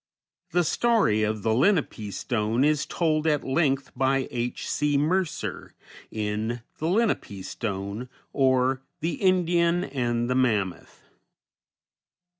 The story of the Lenape Stone is told at length by H. C. Mercer in "The Lenape Stone, or the Indian and the Mammoth."